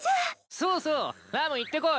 そうそうラム行ってこい。